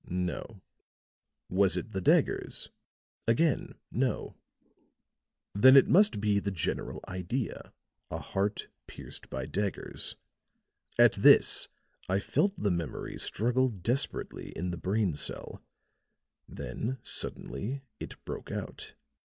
No. Was it the daggers? Again, no. Then it must be the general idea a heart pierced by daggers. At this I felt the memory struggle desperately in the brain cell; then suddenly it broke out.